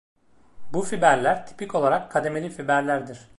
Bu fiberler tipik olarak kademeli fiberlerdir.